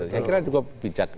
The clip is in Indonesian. saya kira cukup bijak